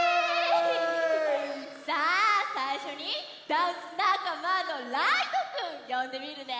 さあさいしょにダンスなかまのライトくんよんでみるね！